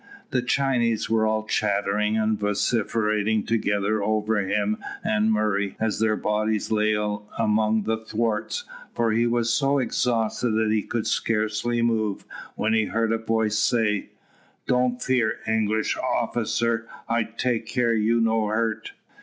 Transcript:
The Chinese were all chattering and vociferating together over him and Murray, as their bodies lay along the thwarts, for he was so exhausted that he could scarcely move, when he heard a voice say, "Don't fear, English officer. I take care you no hurt."